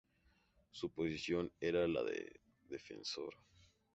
Su posición era la de defensor.